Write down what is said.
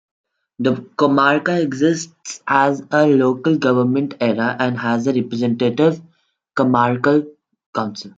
The comarca exists as a local government area, and has a representative comarcal council.